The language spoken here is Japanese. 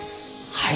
はい！